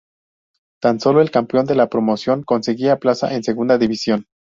Tan solo el campeón de la promoción conseguía plaza en Segunda División.